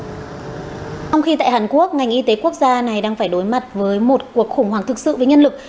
trong khi tại hàn quốc ngành y tế quốc gia này đang phải đối mặt với một cuộc khủng hoảng thực sự với nhân lực